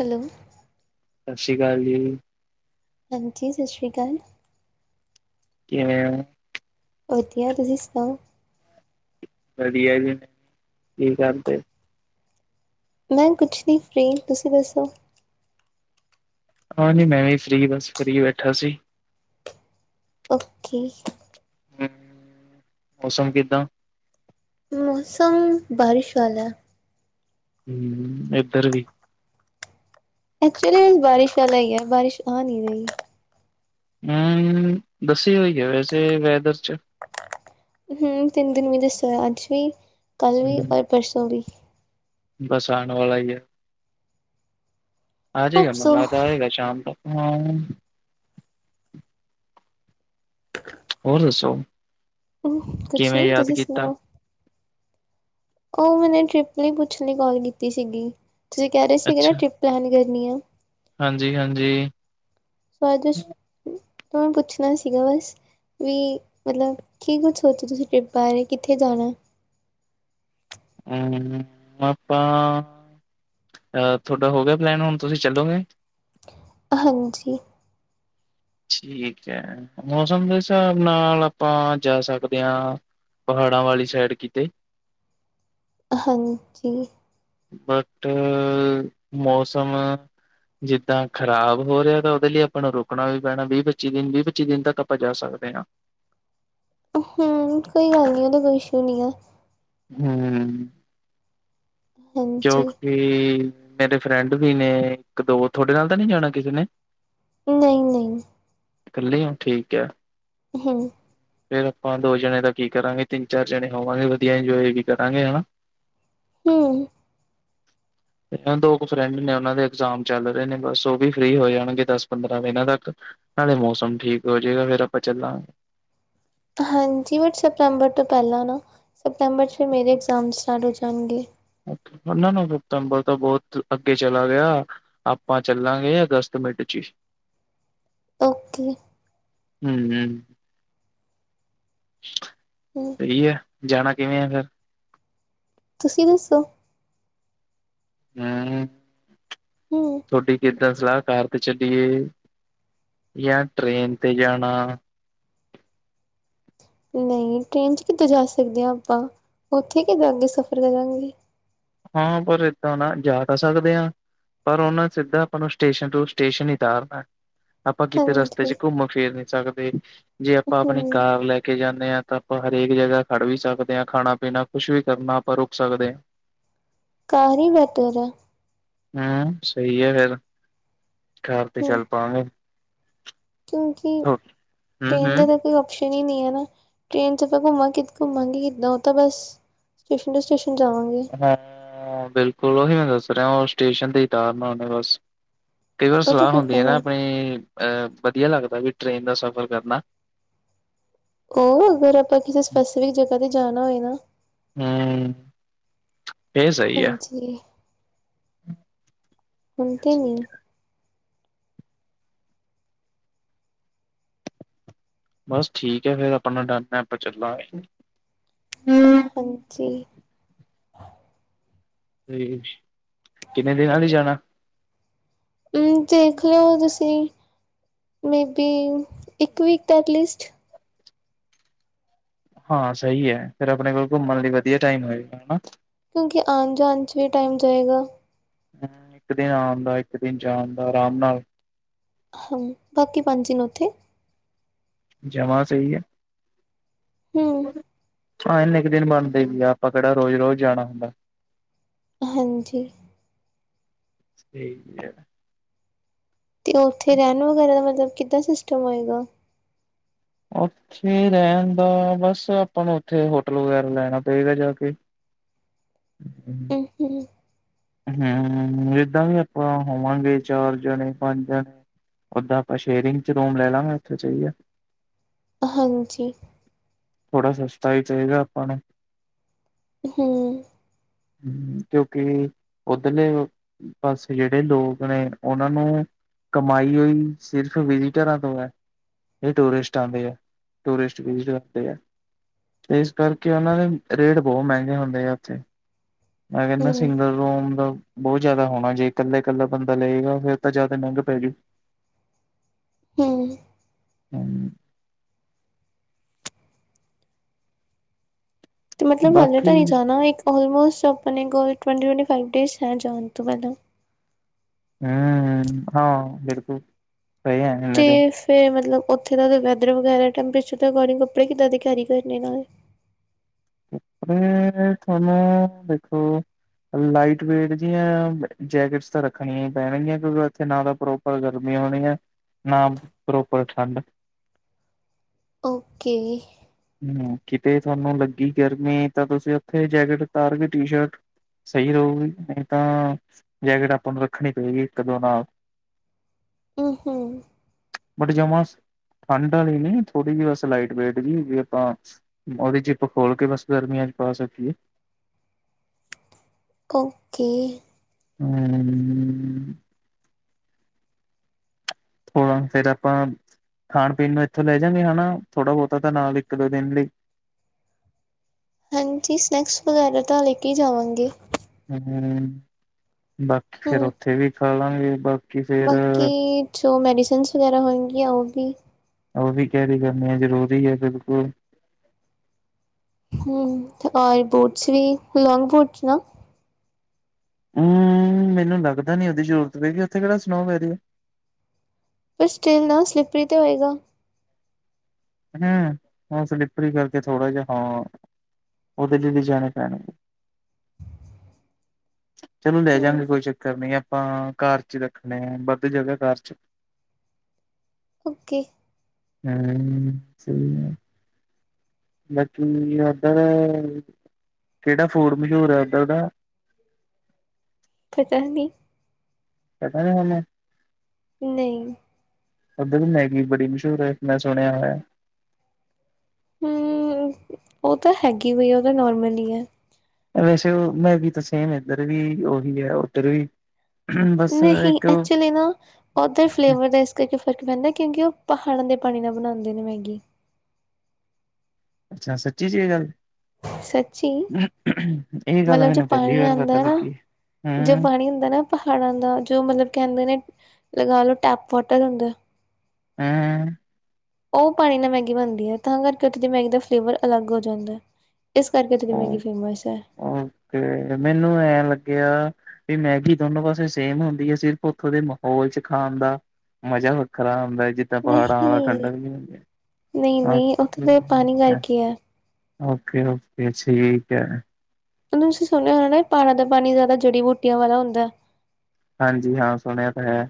Hello. ਸਤਿ ਸ਼੍ਰੀ ਅਕਾਲ ਜੀ। ਹਾਂਜੀ ਸਤਿ ਸ਼੍ਰੀ ਅਕਾਲ। ਕਿਵੇਂ ਓ? ਵਧੀਆ। ਤੁਸੀ ਸੁਣਾਉ? ਵਧੀਆ ਜੀ, ਕੀ ਕਰਦੇ? ਮੈਂ ਕੁਛ ਨਹੀਂ, ਫਰੀ, ਤੁਸੀਂ ਦੱਸੋ? ਹਾਂਜੀ, ਮੈਂ ਵੀ ਫਰੀ ਬਸ ਫਰੀ ਬੈਠਾ ਸੀ। ਓਕੇ। ਹਮ ਮੌਸਮ ਕਿੱਦਾਂ? ਮੌਸਮ ਬਾਰਿਸ਼ ਵਾਲਾ। ਹਮ ਇੱਧਰ ਵੀ। ਐਕਚੁਲੀ ਬਾਰਿਸ਼ ਵਾਲਾ ਹੀ ਹੈ, ਬਾਰਿਸ਼ ਆ ਨਹੀਂ ਰਹੀ। ਹਮ ਦੱਸੀ ਹੋਈ ਹੈ ਵੈਸੇ ਵੈਦਰ ਚ। ਹਮ ਤਿੰਨ ਦਿਨ ਦੱਸੀ ਅੱਜ ਵੀ, ਕੱਲ੍ਹ ਵੀ, ਔਰ ਹੂੰ ਪਰਸੋਂ ਵੀ। ਬਸ ਆਉਣ ਵਾਲਾ ਹੀ ਐ। ਆ ਜਾਏਗਾ ਹੋਪ ਸੋ ਮਲਾ ਤਾਂ ਆਏਗਾ ਸ਼ਾਮ ਤੱਕ। ਹੋਰ ਦੱਸੋ? ਹ ਕੁਛ ਕਿਵੇਂ ਨੀ, ਯਾਦ ਤੁਸੀਂ ਕੀਤਾ? ਸੁਣਾਓ? ਉਹ ਮੈਨੇ ਟਰਿਪ ਲਈ ਪੁੱਛਣ ਲਈ ਕਾਲ ਕੀਤੀ ਸੀਗੀ, ਤੁਸੀਂ ਕਹਿ ਰਹੇ ਸੀਗੇ ਨਾ ਟਰਿਪ ਪਲੈਨ ਕਰਨੀ ਆ। ਹਾਂਜੀ -ਹਾਂਜੀ! ਵੈਦਿਕ ਤੋਂ ਪੁੱਛਣਾ ਸੀਗਾ ਬਸ। ਵੀ ਮਤਲਬ ਕੀ ਕੁਝ ਸੋਚਦੇ ਤੁਸੀਂ ਟਰਿਪ ਬਾਰੇ, ਕਿੱਥੇ ਜਾਣਾ? ਪਾਪਾ। ਅ ਥੋਡਾ ਹੋ ਗਿਆ ਪਲੈਨ ਹੁਣ ਤੁਸੀਂ ਚੱਲੋਗੇ? ਹਾਂਜੀ। ਠੀਕ ਐ ਮੌਸਮ ਦੇ ਸਾਬ ਨਾਲ ਆਪਾਂ ਜਾ ਸਕਦੇ ਆ ਪਹਾੜਾਂ ਵਾਲੀ ਸਾਈਡ ਕਿਤੇ। ਹਾਂਜੀ। ਬਟ ਮੌਸਮ ਜਿੱਦਾਂ ਖ਼ਰਾਬ ਹੋ ਰਿਆ ਤਾਂ ਉਦੇ ਲਈ ਆਪਾਂ ਨੂੰ ਰੁਕਣਾ ਵੀ ਪੈਣਾ ਵੀ-ਪੱਚੀ ਦਿਨ, ਵੀ-ਪੱਚੀ ਦਿਨ ਤੱਕ ਆਪਾਂ ਜਾ ਸਕਦੇ ਆ। ਹਮ ਕੋਈ ਗੱਲ ਨੀ ਓਦਾ ਕੋਈ ਇਸ਼ੂ ਨੀ ਐ। ਹੂੰ। ਹਾਂਜੀ ਕਿਉਂਕਿ ਮੇਰੇ ਫਰੈਂਡ ਵੀ ਨੇ ਇੱਕ-ਦੋ ਥੋਡੇ ਨਾਲ ਤਾ ਨੀ ਜਾਣਾ ਕਿਸੀ ਨੇ। ਨਈ-ਨਈ ਕੱਲੇ ਔ ਠੀਕ ਐ। ਹ। ਫੇਰ ਆਪਾਂ ਦੋ ਜਣੇ ਦਾ ਕੀ ਕਰਾਂਗੇ ਤਿੰਨ-ਚਾਰ ਜਣੇ ਹੋਵਾਂਗੇ ਵਧੀਆ ਇੰਜੋਏ ਵੀ ਕਰਾਂਗੇ ਹਨਾ। ਹੂੰ। ਦੋ ਕੁ ਫਰੈਂਡ ਨੇ ਉਨਾਂ ਦੇ ਇਗਜ਼ਾਮ ਚੱਲ ਰਹੇ ਨੇ ਬਸ ਉਹ ਵੀ ਫ੍ਰਰੀ ਹੋ ਜਾਣਗੇ ਦਸ-ਪੰਦਰਾਂ ਦਿਨਾਂ ਤੱਕ। ਨਾਲੇ ਮੌਸਮ ਠੀਕ ਹੋ ਜਾਏਗਾ, ਫੇਰ ਆਪਾਂ ਚੱਲਾ ਹਾਂਜੀ ਬਟ ਸਤੰਬਰ ਤੋਂ ਪੈਲਾਂ ਨਾ ਸਤੰਬਰ ਚ ਫਿਰ ਮੇਰੇ ਇਗਜ਼ਾਮ ਸਟਾਰਟ ਹੋ ਜਾਣਗੇ। ਅੱ ਨਾ-ਨਾ ਸਤੰਬਰ ਤੋਂ ਬੋਤ ਅੱਗੇ ਚਲਾ ਗਿਆ। ਆਪਾਂ ਚੱਲਾਂਗੇ ਅਗਸਤ ਮਿਡ ਚ ਈ। ਓਕੇ। ਹੂੰ-ਹੂੰ। ਹੱ [unintelligible] ਹੂੰ। ਸਈ ਐ ਜਾਣਾ ਕਿਵੇਂ ਆ ਫਿਰ? ਤੁਸੀਂ ਦੱਸੋ? [inaudible] ਹੂੰ ਥੋਡੀ ਕਿੱਦਾਂ ਸਲਾਹ ਕਾਰ ਤੇ ਚਲੀਏ ਯਾ ਟਰੇਨ ਤੇ ਜਾਣਾ। ਨਈ ਟ੍ਰੇਨ ਚ ਕਿੱਦਾਂ ਜਾ ਸਕਦੇ ਆ ਆਪਾਂ ਉੱਥੇ ਕਿੱਦਾਂ ਅੱਗੇ ਸਫ਼ਰ ਕਰਾਂਗੇ। ਹਾਂ ਪਰ ਏਦਾਂ ਨਾ ਜਾ ਤਾਂ ਸਕਦੇ ਆ। ਪਰ ਓਨਾ ਸਿੱਧਾ ਆਪਾਂ ਨੂੰ ਸਟੇਸ਼ਨ ਟੂ ਸਟੇਸ਼ਨ ਹੀ ਉਤਾਰਨਾ। ਆਪਾਂ ਕਿਤੇ ਰਸਤੇ ਹਾਂਜੀ ਚ ਘੁੰਮ ਫਿਰ ਨੀ ਸਕਦੇ ਜੇ ਆਪਾਂ ਆਪਣੀ ਹੂੰ ਕਾਰ ਲੈ ਕੇ ਜਾਨੇ ਆ ਆਪਾਂ ਹਰੇਕ ਜਗਾ ਖੜ ਵੀ ਸਕਦੇ ਆ ਖਾਣਾ-ਪੀਣਾ ਕੁਛ ਵੀ ਕਰਨਾ ਆਪਾਂ ਰੁਕ ਸਕਦੇ ਆ। ਕਾਰ ਈ ਬੈਟਰ ਐ। ਹੇ ਸਈ ਐ ਫੇਰ, ਕਾਰ ਤੇ ਹੂੰ ਚੱਲ ਪਾਵਾਂਗੇ। ਕਿਉਂਕਿ ਹਮ ਟ੍ਰੇਨ ਦਾ ਹਮ ਦ ਕੋਈ ਓਪਸ਼ਨ ਹੀ ਨੀ ਹੈ ਨਾ ਟ੍ਰੇਨ ਚ ਆਪਾਂ ਘੁੰਮਾਂ ਕਿ ਘੁੰਮਾਂਗੇ ਕਿੱਦਾਂ ਓ ਤਾਂ ਬਸ ਸਟੇਸ਼ਨ ਤੋਂ ਸਟੇਸ਼ਨ ਜਾਵਾਂਗੇ। ਹਾਂ, ਬਿਲਕੁਲ ਉਹੀ ਮੈਂ ਦੱਸ ਰਿਆ ਉਹ ਸਟੇਸ਼ਨ ਤੇ ਹੀ ਤਾਰਨਾ ਓਨੇ ਬਸ। ਕਈ ਵਾਰ ਉਹਦਾ ਸਲਾਹ ਕੋਈ ਹੁੰਦੀ ਹੈ ਫਾਇਦਾ ਨਾ ਨਹੀਂ ਆਪਣੀ ਅ ਵਧੀਆ ਲੱਗਦਾ ਵੀ ਟੇਨ ਦਾ ਸਫ਼ਰ ਕਰਨਾ। ਕੋ ਅਗਰ ਆਪਾਂ ਕਿਸੇ ਸਪੇਸਵੀ ਜਗ੍ਹਾ ਤੇ ਜਾਣਾ ਹੋਏ ਨਾ ਹੂੰ। ਹਾਂਜੀ ਹੁਣ ਤਾਂ ਨੀ। ਬਸ ਠੀਕ ਐ ਫੇਰ ਆਪਣਾ ਡਨ ਐ ਆਪਾਂ ਚੱਲਾਂਗੇ। ਹਾਂ ਹਾਂਜੀ ਤੀਜ, ਕਿੰਨੇ ਦਿਨਾਂ ਲਈ ਜਾਣਾ ਦੇਖ ਲਿਉ ਤੁਸੀਂ, ਮੇਬੀ ਇੱਕ ਵੀਕ ਦਾ ਐਟਲੀਸਟ ਹਾਂ ਸਹੀ ਐ, ਫੇਰ ਆਪਣੇ ਕੋਲ ਘੁੰਮਣ ਲਈ ਵਧੀਆ ਟਾਈਮ ਹੋਏਗਾ ਨਾ ਕਿਉਂਕਿ ਆਣ -ਜਾਣ 'ਚ ਵੀ ਟਾਈਮ ਜਾਏਗਾ ਹਮ ਇੱਕ ਦਿਨ ਆਣ ਦਾ, ਇੱਕ ਦਿਨ ਜਾਣ ਦਾ, ਆਰਾਮ ਨਾਲ ਹਾਂ, ਬਾਕੀ ਪੰਜ ਦਿਨ ਉੱਥੇ ਜਮਾ ਸਹੀ ਐ ਹਮ ਹਾਂ ਐਨੇ ਕ ਦਿਨ ਬਣਦੇ ਵੀ ਆ, ਆਪਾਂ ਕਿਹੜਾ ਰੋਜ਼- ਰੋਜ਼ ਜਾਣਾ ਹੁੰਦਾ ਹਾਂਜੀ ਠੀਕ ਕਿਹਾ ਤੇ ਉੱਥੇ ਰਹਿਣ ਵਗੈਰਾ ਦਾ ਮਤਲਬ ਕਿੱਦਾਂ ਸਿਸਟਮ ਹੋਏਗਾ ਉੱਥੇ ਰਹਿਣ ਦਾ, ਬਸ ਆਪਾਂ ਨੂੰ ਉੱਥੇ ਹੋਟਲ ਵਗੈਰਾ ਲੈਣਾ ਪਏਗਾ ਜਾ ਕੇ ਹਮਮ ਹਮ ਹਮ ਹਮ ਜਿੱਦਾਂ ਵੀ ਆਪਾਂ ਹੋਵਾਂਗੇ ਚਾਰ ਜਣੇ, ਪੰਜ ਜਣੇ ਓਦਾਂ ਆਪਾਂ ਸ਼ੇਅਰਿੰਗ 'ਚ ਰੂਮ ਲੈ ਲਾਂਗੇ, ਉੱਥੇ ਚਹੀਏ ਹਾਂਜੀ ਥੋੜਾ ਸਸਤਾ ਹੀ ਚਾਹੀਦਾ ਆਪਾਂ ਨੂੰ ਹਮ ਹਮ, ਕਿਉਂਕਿ, ਉੱਧਰਲੇ ਓ ਬਸ ਜੇੜੇ ਲੋਕ ਨੇ, ਉਹਨਾਂ ਨੂੰ ਕਮਾਈ ਓਈ, ਸਿਰਫ ਵਿਜ਼ਟਰਾਂ ਤੋਂ ਐ ਇਹ ਟੂਰਿਸਟ ਆਉਂਦੇ ਆ, ਟੂਰਿਸਟ ਵੀਜਾ ਤੇ ਆ ਤੇ ਇਸ ਕਰਕੇ ਉਹਨਾਂ ਦੇ ਰੇਟ ਬਹੁਤ ਮਹਿੰਗੇ ਹੁੰਦੇ ਆ ਉੱਥੇ, ਮੈਂ ਰਹਿੰਦਾ ਹਮ ਸਿੰਗਲ ਰੂਮ ਦਾ ਬਹੁਤ ਜਿਆਦਾ ਹੋਣਾ, ਜੇ ਇਕੱਲੇ- ਇਕੱਲਾ ਬੰਦਾ ਲਏਗਾ ਫੇਰ ਤਾਂ ਜਿਆਦਾ ਮਹਿੰਗਾ ਪੈਜੂ ਹਮ ਹਾਂਜੀ ਤੇ ਮਤਲਬ ਹਾਲੇ ਤਾਂ ਬਾਕੀ ਨਹੀਂ ਜਾਣਾ, ਆਲਮੋਸਟ ਆਪਣੇ ਕੋਲ ਟਵੰਟੀ -ਟਵੰਟੀ ਫਾਇਵਸ ਡੇ ਹੈ ਜਾਣ ਤੋਂ ਪਹਿਲਾਂ ਹਮ, ਹਾਂ, ਬਿਲਕੁੱਲ ਸਹੀ ਕਹਿੰਦੇ ਤੇ ਫੇਰ ਮਤਲਬ ਉੱਥੇ ਦਾ ਵੈਦਰ ਵਗੈਰਾ ਟੈਂਪਰੇਚਰ ਦੇ ਅਕੋਰਡਿੰਗ ਕੱਪੜੇ ਕਿੱਦਾਂ ਦੇ ਕੈਰੀ ਕਰਨੇ ਇਹਨਾਂ ਦੇ ਪਰ ਤੁਹਾਨੂੰ ਦੇਖੋ ਹਜੇ ਲਾਈਟ ਵੇਟ ਜਿਹੀਆ ਜੈਕਟਸ ਤਾਂ ਰਖਣੀਆ ਹੀ ਪੈਣਗੀਆਂ ਕਿਉਂਕਿ ਉੱਥੇ ਨਾ ਤਾਂ ਪ੍ਰੋਪ ਪ੍ਰੋਪਰ ਗਰਮੀ ਹੋਣੀ ਐ, ਨਾ ਪ੍ਰੋਪਰ ਠੰਡ ਓਕੇ ਹਮ, ਕਿਤੇ ਤੁਹਾਨੂੰ ਲੱਗੀ ਗਰਮੀ, ਤਾਂ ਤੁਸੀਂ ਉੱਥੇ ਜੈਕਟ ਉਤਾਰ ਕੇ ਟੀ ਸ਼ਰਟ ਸਹੀ ਰਹੋਗੇ, ਨਹੀਂ ਤਾਂ, ਜੈਕਟ ਆਪਾਂ ਨੂੰ ਰੱਖਣੀ ਪਏਗੀ ਇੱਕ -ਦੋ ਨਾਲ ਓ ਹੋ ਬਟ ਜਮਾ, ਠੰਢ ਵਾਲੀ ਨੀ ਥੋੜੀ ਜਿਹੀ ਬਸ ਲਾਈਟ ਵੇਟ ਜੀ ਜਿਵੇਂ ਆਪਾਂ, ਉਹਦੀ ਜਿੱਪ ਖੋਲ ਕੇ ਬਸ ਗਰਮੀਆਂ 'ਚ ਪਾ ਸਕੀਏ ਓਕੇ ਹਮ ਹੁਣ ਉੱਥੇ ਤਾਂ ਆਪਾਂ, ਖਾਣ -ਪੀਣ ਨੂੰ ਇੱਥੋਂ ਲੈ ਜਾਗੇ ਹਨਾ, ਥੋੜਾ ਬਹੁਤਾ ਤਾਂ ਨਾਲ ਇੱਕ-ਦੋ ਦਿਨ ਲਈ ਹਾਂਜੀ ਸਨੈਕਸ ਵਗੈਰਾ ਤਾਂ ਲੈ ਕੇ ਜਾਵਾਂਗੇ ਹੂੰ, ਬਾਕੀ ਫੇਰ ਹੂੰ ਉੱਥੇ ਵੀ ਖਾ ਲਾਂਗੇ ਆ ਬਾਕੀ, ਜੋ ਮੈਡੀਸਨਸ ਵਗੈਰਾ ਹੋਣਗੀਆਂ ਉਹ ਵੀ ਉਹ ਵੀ ਕੈਰੀ ਕਰਨੀ ਐ ਜ਼ਰੂਰੀ ਐ ਬਿਲਕੁਲ। ਹੂੰ, ਬੋਟਸ ਵੀ [unintelligible] ਲੋਂਗ ਬੋਟਸ ਨਾ ਹੂੰ ਮੈਨੂੰ ਲੱਗਦਾ ਨੀ ਉਹਦੀ ਜ਼ਰੂਰਤ ਹੋਏਗੀ ਉੱਥੇ ਕਿਹੜਾ ਸਨੋ ਪੈ ਰੀ ਆ। ਪਰ ਸਟਿੱਲ ਨਾ ਸਲਿੱਪਰੀ ਤੇ ਹੋਏਗਾ। ਹੂੰ, ਉਹ ਸਲਿੱਪਰੀ ਕਰਕੇ ਥੋੜਾ ਜਾ ਹਾਂ ਉਹਦੇ ਚ ਵੀ ਜਾਣੇ ਪੈਣਾ। ਚਲੋ ਲੈ ਹੂੰ ਜਾਗੇ ਕੋਈ ਚੱਕਰ ਨੀ ਆਪਾਂ ਘਰ ਚ ਰੱਖਣੇ ਆ ਵੱਧ ਜਗ੍ਹਾ ਘਰ ਚ ਓਕੇ, ਹੂੰ ਸਹੀ ਆ। ਬਾਕੀ ਇਧਰ, ਕਿਹੜਾ ਫੂਡ ਮਸ਼ਹੂਰ ਐ ਉੱਧਰ ਦਾ? ਪਤਾ ਨੀ। ਪਤਾ ਨੀ ਸੋਨੂੰ? ਨਈ, ਉੱਧਰ ਦੀ ਮੈਗੀ ਬੜੀ ਮਸ਼ਹੂਰ ਐ ਮੈਂ ਸੁਣਿਆ ਹੋਇਆ। ਹੂੰ, ਉਹ ਤਾਂ ਹੈਗੀ ਵੀਈ ਉਹ ਤਾਂ ਨੋਰਮਲ ਈ ਐ। ਵੈਸੇ ਉਹ ਮੈਂ ਵੀ ਤਾਂ ਸੇਮ ਇੱਧਰ ਵੀ ਉਹੀ ਐ ਉੱਧਰ ਵੀ ਬਸ ਨਹੀਂ ਇੱਕ ਐਕਚਲ਼ੀ ਨਾ ਓਧਰ ਫਲੇਵਰ ਦਾ ਇਸ ਕਰਕੇ ਫ਼ਰਕ ਪੈਂਦਾ ਕਿਉਂਕਿ ਉਹ ਪਹਾੜਾਂ ਦੇ ਪਾਣੀ ਨਾਲ ਬਣਾਦੇ ਨੇ ਮੈਗੀ। ਅੱਛਾ ਸੱਚੀ ਚ ਇਹ ਗੱਲ ਐ। ਸੱਚੀ ਇਹ ਗੱਲ ਮਤਲਬ ਜੋ ਮੈਨੂੰ ਪਹਿਲੀ ਪਾਣੀ ਵਾਰ ਪਤਾ ਆਉਂਦਾ ਨਾ ਲੱਗੀ। ਜੋ ਹਮ ਪਾਣੀ ਹੁੰਦਾ ਨਾ ਪਹਾੜਾਂ ਦਾ ਜੋ ਮਤਲਬ ਕਹਿੰਦੇ ਨੇ, ਲਗਾ ਲਓ ਟੈਪ ਵਾਟਰ ਹੁੰਦਾ। ਹੂੰ, ਉਹ ਪਾਣੀ ਨਾਲ ਮੈਗੀ ਬਣਦੀ ਐ ਤਾਂ ਕਰਕੇ ਉੱਥੇ ਦੀ ਮੈਗੀ ਦਾ ਫਲੇਵਰ ਅਲੱਗ ਹੋ ਜਾਂਦਾ ਐ। ਇਸ ਕਰਕੇ ਤੋਂ ਮੈਗੀ ਫੇਮਸ ਐ। ਓਕੇ ਮੈਨੂੰ ਐਂ ਲੱਗਿਆ ਵੀ ਮੈਗੀ ਦੋਨੋ ਪਾਸੇ ਸੇਮ ਹੁੰਦੀ ਆ ਸਿਰਫ਼ ਉੱਥੋਂ ਦੇ ਮਾਹੌਲ 'ਚ ਖਾਣ ਦਾ ਮਜ਼ਾ ਵੱਖਰਾ ਹੁੰਦਾ ਜਿੱਦਾਂ ਪਹਾੜਾਂ ਵੱਲ ਠੰਡਾ [unintelligible] ਨਹੀਂ-ਨਹੀ ਉੱਥੇ ਤਾਂ ਦੇ ਪਾਣੀ ਕਰਕੇ ਐ। ਓਕੇ-ਓਕੇ ਠੀਕ ਐ। ਤੁਸੀਂ ਸੁਣਿਆ ਹੋਣਾ ਪਹਾੜਾ ਦਾ ਪਾਣੀ ਜ਼ਿਆਦਾ ਜੜ੍ਹੀ ਬੂਟੀਆਂ ਵਾਲਾ ਹੁੰਦਾ। ਹਾਂਜੀ ਹਾਂ ਸੁਣਿਆ ਤਾਂ ਹੈ।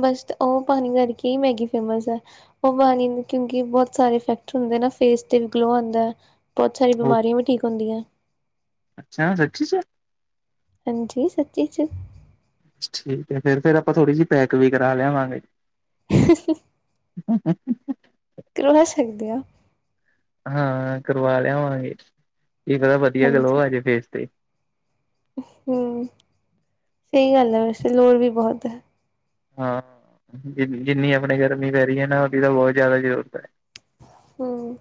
ਬਸ ਉਹ ਪਾਣੀ ਕਰਕੇ ਈ ਮੈਗੀ ਫੇਮਸ ਐ। ਉਹ ਪਾਣੀ ਨਾ ਕਿਉਂਕਿ ਬਹੁਤ ਸਾਰੇ ਇਫੈਕਟ ਹੁੰਦੇ ਨਾ ਫੇਸ ਤੇ ਵੀ ਗਲੋ ਆਦਾ ਐ। ਬਹੁਤ ਸਾਰੀਆਂ ਬਿਮਾਰੀਆਂ ਵੀ ਠੀਕ ਹੁੰਦੀਆਂ। ਅੱਛਾ ਸੱਚੀ ਚ, ਹਾਂਜੀ ਸੱਚੀ 'ਚ, ਠੀਕ ਐ ਫ਼ਿਰ ਫੇਰ ਆਪਾਂ ਥੋੜੀ ਜਿਹੀ ਪੈਕ ਵੀ ਕਰਾ ਲਿਆਵਾਂਗੇ। [inaudible] [inaudible] ਕਰਵਾ ਸਕਦੇ ਆ। ਹਾਂ ਕਰਵਾ ਲਿਆਵਾਂਗੇ, ਕੀ ਪਤਾ ਵਧੀਆ ਗਲੋ ਆਜੇ ਫੇਸ ਤੇ। ਹੂੰ ਸਹੀ ਗੱਲ ਐ ਵੈਸੇ ਲੋੜ ਵੀ ਬਹੁਤ ਐ। ਹਾਂ, ਜਿੰਨੀ ਆਪਣੇ ਗਰਮੀ ਪੈ ਰਹੀ ਐ ਨਾ ਉਹਦੀ ਤਾਂ ਬਹੁਤ ਜ਼ਿਆਦਾ ਜ਼ਰੂਰਤ ਐ। ਹੂੰ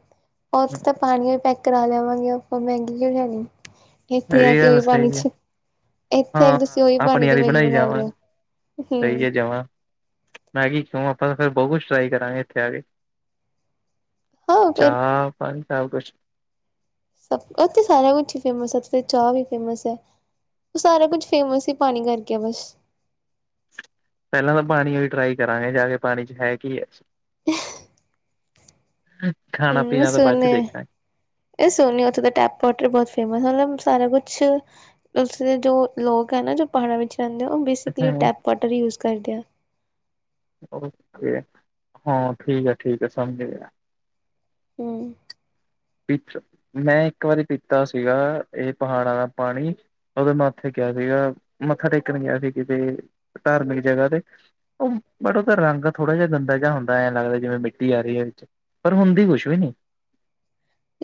ਉਥੇ ਤਾਂ ਪਾਣੀ ਵੀ ਪੈਕ ਕਰਾ ਲਿਆਵਾਂਗੇ, ਆਪਾਂ ਮੈਗੀ ਕੀ ਕਰਨੀ। ਇਹ ਏਥੇ ਵੀ ਆਕੇ ਗੱਲ ਈ ਪਾਣੀ ਸਹੀ ਹੈ। ਚ। ਏਥੇ ਆਕੇ ਹਾਂ ਤੁਸੀਂ ਓਈ ਪਾਣੀ ਆਪਣੀ ਦੀ ਵਾਲੀ ਮੈਗੀ ਬਣਾਈ ਬਣਾ ਜਾਵਾਂ ਲਿਓ, ਸਹੀ ਹੂੰ। ਹੈ ਜਮਾਂ ਮੈਗੀ ਕਯੋ, ਆਪਾਂ ਫਿਰ ਬੋ ਕੁਛ ਟਰਾਈ ਕਰਾਂਗੇ ਏਥੇ ਆ ਕੇ, ਹਾਂ ਫਿਰ ਚਾਹ [unintelligible] ਕੂਛ ਸਭ ਏਥੇ ਸਾਰਾ ਕੁਛ ਈ ਫੇਮਸ ਐ, ਏਥੋਂਦੀ ਚਾਹ ਵੀ ਫੇਮਸ ਐ, ਓ ਸਾਰਾ ਕੁਛ ਫੇਮਸ ਈ ਪਾਣੀ ਕਰਕੇ ਆ ਬਸ। ਪੈਲਾਂ ਤਾਂ ਪਾਣੀ ਆਲੀ ਟਰਾਈ ਕਰਾਂਗੇ ਜਾ ਕੇ, ਪਾਣੀ ਚ ਹੈ ਕੀ ਐ। [unintelligible] ਖਾਣਾ ਹੂੰ, ਪੀਣਾ ਤਾਂ ਬਾਅਦ ਚ ਸੋਂਨੇ ਦੇਖਾਂਗੇ ਏ ਸੋਨੀ ਉੱਥੇ ਦਾ ਟੈਪ ਵਾਂਟਰ ਬੋਤ ਫੇਮਸ ਆ, ਮਤਲਬ ਸਾਰਾ ਕੁਛ ਓਥੋਂ ਦੇ ਜੋ ਲੋਕ ਐ ਨਾ ਜੋ ਪਹਾੜਾਂ ਵਿੱਚ ਰੈਂਦੇ ਆ, ਓ ਬੇਸਿਕਲੀ ਟੈਪ ਵਾਟਰ ਯੂਜ ਕਰਦੇ ਆ। ਓਕੇ ਹਾਂ, ਠੀਕੈ-ਠੀਕੈ ਸਮਝ ਗਯਾ। ਹੂੰ। ਪੀ, ਮੈਂ ਇੱਕ ਵਾਰੀ ਪੀਤਾ ਸੀਗਾ ਇਹ ਪਹਾੜਾਂ ਦਾ ਪਾਣੀ ਓਦੋ ਮੈਂ ਓਦੇ ਗਿਆ ਸੀਗਾ, ਮੱਥਾ ਟੇਕਣ ਗਿਆ ਸੀ ਕਿਸੇ ਧਾਰਮਿਕ ਜਗ੍ਹਾ ਤੇ ਓ ਬਟ ਓਦਾ ਰੰਗ ਥੋੜਾ ਜਾ ਗੰਦਾ ਜੇਆ ਹੁੰਦਾ ਐ ਲੱਗਦਾ ਜਿਵੇਂ ਮਿੱਟੀ ਆ ਰਿਐ ਵਿੱਚ। ਪਰ ਹੁੰਦੀ ਕੁਛ ਵੀ ਨੀ।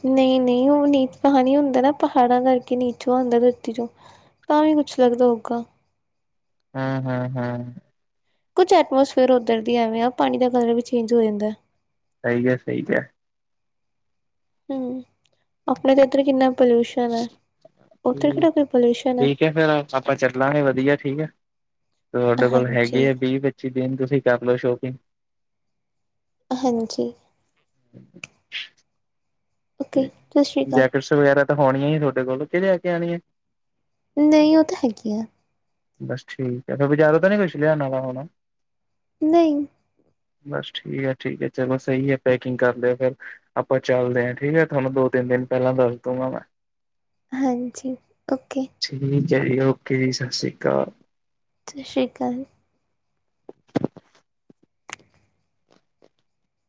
ਨਈਂ-ਨਈਂ, ਓ ਨੀਚ ਪਾਣੀ ਹੁੰਦਾ ਨਾ ਪਹਾੜਾਂ ਕਰਕੇ ਨੀਚੋਂ ਆਂਦਾ ਧਰਤੀ ਚੋਂ। ਤਾਂ ਵੀ ਕੁੱਛ ਲੱਗਦਾ ਹੋਊਗਾ। ਹੂੰ-ਹੂੰ-ਹੂੰ। ਕੁਛ ਐਟਮੋਸਫੇਅਰ ਓਦਰ ਦੀ ਐਵੇ ਆ, ਪਾਣੀ ਦਾ ਕਲਰ ਵੀ ਚੇਂਜ ਹੋ ਜਾਂਦਾ। ਸਈ ਐ, ਸਈ ਐ। ਹੂੰ, ਅਪਨੇ ਤਾਂ ਏਦਰ ਕਿੰਨਾ ਪੋਲਿਊਸ਼ਨ ਐ। ਠੀਕੈ, ਫੇਰ ਆਪਾਂ ਚੱਲਾਗੇ ਵਧੀਆ ਠੀਕ ਐ। ਤੁਆਡੇ ਕੋਲ ਹੈਗੇ ਆ ਹਾਂਜੀ-ਹਾਂਜੀ, ਵੀਹ-ਪੱਚੀ ਦਿਨ, ਤੁਸੀਂ ਕਰ ਲਓ ਸ਼ੋਪਿੰਗ। ਹਾਂਜੀ। [unintelligible] ਓਕੇ ਸਤਿ ਸ਼੍ਰੀ ਅਕਾਲ ਜੈਕਟਸ ਵਗੈਰਾ ਤਾਂ ਹੋਣੀਆ ਈ ਆ ਥੋਡੇ ਕੋਲ, ਕਿ ਲੇਕੇ ਆਨੀਆਂ ਨੇ? ਨਈਂ, ਓ ਤਾ ਹੈਗੀਆ। ਬਸ ਠੀਕ ਐ, ਫੇਰ ਬਜਾਰੋ ਤਾਂ ਨੀ ਕੁਛ ਲਿਆਣਾ ਵਾਲਾ ਹੋਣਾ? ਨਈਂ। ਬਸ ਠੀਕੈ-ਠੀਕੈ ਚਲੋ ਸਈ ਐ, ਪੈਕਿੰਗ ਕਰ ਲਓ ਫੇਰ ਆਪਾਂ ਚੱਲਦੇ ਆਂ। ਠੀਕ ਐ ਤੁਆਨੂੰ ਦੋ-ਤਿੰਨ ਦਿਨ ਪੈ ਲਾਂ ਦੱਸ ਦੂੰਗਾ ਮੈਂ। ਹਾਂਜੀ, ਓਕੇ। ਠੀਕੈ ਜੀ ਓਕੇ ਜੀ, ਸਤਿ ਸ਼੍ਰੀ ਅਕਾਲ। ਸਤਿ ਸ਼੍ਰੀ ਅਕਾਲ।